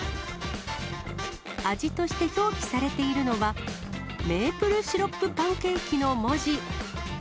味として表記されているのは、メープルシロップパンケーキの文字。